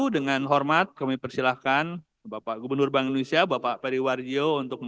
dengan hormat kami persilahkan kepada bapak periwaryo